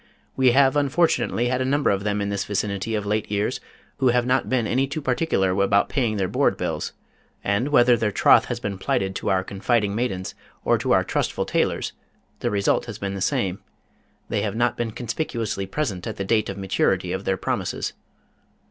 We have unfortunately had a number of them in this vicinity of late years who have not been any too particular about paying their board bills, and whether their troth has been plighted to our confiding maidens, or to our trustful tailors, the result has been the same they have not been conspicuously present at the date of maturity of their promises.